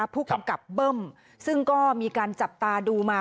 ผู้กำกับเบิ้มซึ่งก็มีการจับตาดูมา